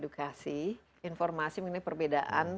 kasih informasi mengenai perbedaan